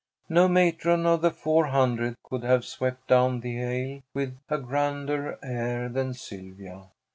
No matron of the four hundred could have swept down the aisle with a grander air than Sylvia.